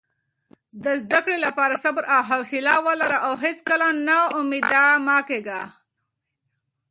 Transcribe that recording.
د زده کړې لپاره صبر او حوصله ولره او هیڅکله نا امیده مه کېږه.